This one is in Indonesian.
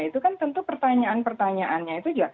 itu kan tentu pertanyaan pertanyaannya itu juga